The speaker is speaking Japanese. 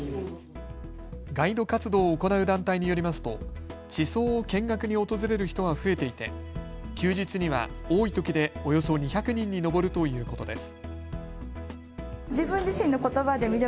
ガイド活動を行う団体によりますと地層を見学に訪れる人は増えていて休日には多いときでおよそ２００人に上るということです。